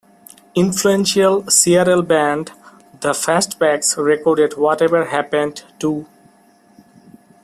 Influential Seattle band The Fastbacks recorded Whatever Happened To...?